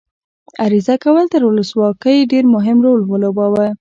عریضه کول تر ولسواکۍ ډېر مهم رول ولوباوه.